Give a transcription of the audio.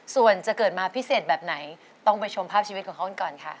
ส่วนจะเกิดมาพิเศษแบบไหนต้องไปชมภาพชีวิตของเขากันก่อนค่ะ